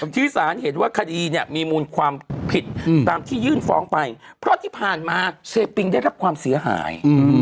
ที่สารเห็นว่าคดีเนี่ยมีมูลความผิดตามที่ยื่นฟ้องไปเพราะที่ผ่านมาเซปิงได้รับความเสียหาย